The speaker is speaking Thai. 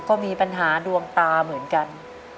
ก็มีปัญหาดวงตาเหมือนกัน